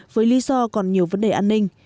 với lý do còn nhiều vấn đề an ninh